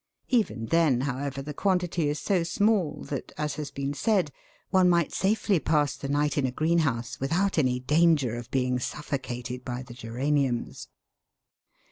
Even then, WATER PLANTS AS SCAVENGERS. 171 however, the quantity is so small that, as has been said, " one might safely pass the night in a greenhouse without any danger of being suffocated by the geraniums."